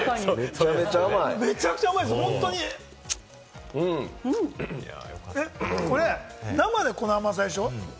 めちゃくちゃ甘いっす、本当にこれ、生で、この甘さでしょ？